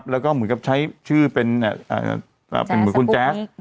แล้วก็เหมือนกับใช้ชื่อเป็นเหมือนคุณแจ๊ส